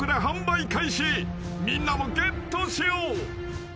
［みんなもゲットしよう］